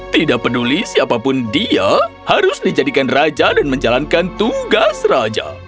tidak peduli siapapun dia harus dijadikan raja dan menjalankan tugas raja